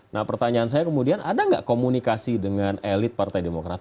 nah pertanyaan saya kemudian ada nggak komunikasi dengan elit partai demokrat